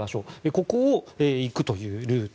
ここを行くというルート。